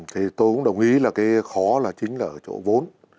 thì tôi cũng đồng ý là cái khó là chính là ở chỗ vốn